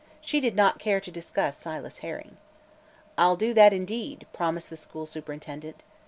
She did not care to discuss Silas Herring. "I'll do that, indeed," promised the school superintendent.